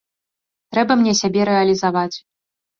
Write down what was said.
Трэба мне сябе рэалізаваць.